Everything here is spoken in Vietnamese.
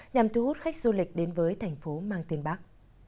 nhằm thu hút khách du lịch đến với thành phố mang tên bắc